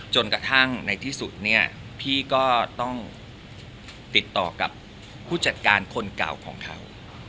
จนกระทั่งในที่สุดเนี่ยพี่ก็ต้องติดต่อกับผู้จัดการคนเก่าของเขา